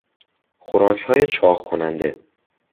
خوراکهای چاق کننده